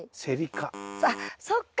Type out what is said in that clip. あっそっか。